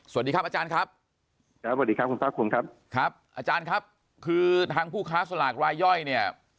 สวัสดีครับอาจารย์ครับอาจารย์ครับคือทางผู้ค้าสลากรายย่อยเนี่ย